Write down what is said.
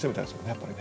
やっぱりね。